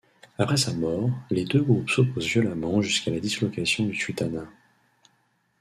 Après sa mort les deux groupes s’opposent violemment jusqu’à la dislocation du sultanat.